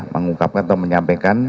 mengungkapkan atau menyampaikan